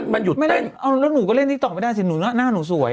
มันอยู่เต้นเอาแล้วเราก็เล่นดิกร์ต้องไปได้สิหน้าหนูสวย